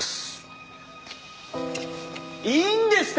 いいんですか？